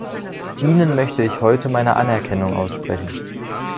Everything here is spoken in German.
Ihnen möchte ich heute meine Anerkennung aussprechen.